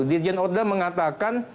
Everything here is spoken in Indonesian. dirjen orda mengatakan